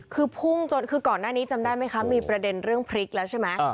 คือพุ่งจนคือก่อนหน้านี้จำได้ไหมคะมีประเด็นเรื่องพริกแล้วใช่ไหม